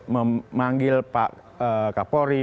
memanggil pak kapolri